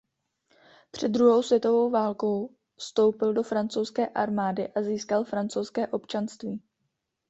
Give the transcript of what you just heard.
Před druhou světovou válkou vstoupil do francouzské armády a získal francouzské občanství.